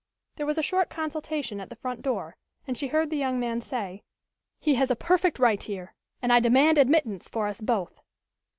There was a short consultation at the front door and she heard the young man say: "He has a perfect right here and I demand admittance for us both."